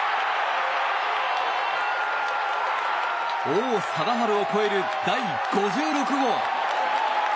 王貞治を超える第５６号！